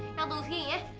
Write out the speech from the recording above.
eyang tunggu sini ya